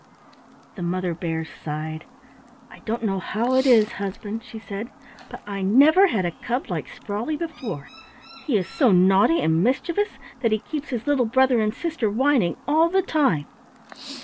The Mother Bear sighed. "I don't know how it is, husband," she said, "but I never had a cub like Sprawley before. He is so naughty and mischievous that he keeps his little brother and sister whining all the time."